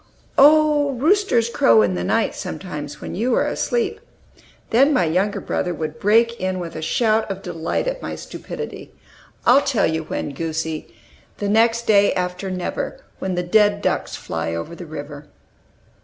"Oh, roosters crow in the night, sometimes, when you are asleep." Then my younger brother would break in with a shout of delight at my stupidity: "I'll tell you when, goosie! 'The next day after never; When the dead ducks fly over the river.'"